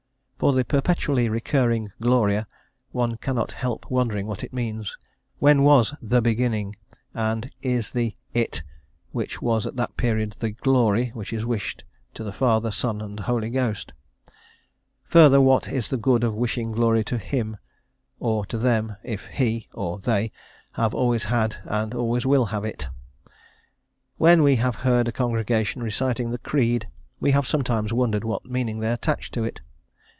For the perpetually recurring Gloria, one cannot help wondering what it means; when was "the beginning," and is the "it" which was at that period, the "glory" which is wished to the Father, Son, and Holy Ghost; further, what is the good of wishing glory to Him or to Them if He or They have always had, and always will have it? When we have heard a congregation reciting the Creed, we have sometimes wondered what meaning they attached to it.